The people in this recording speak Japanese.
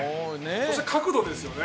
そして角度ですよね。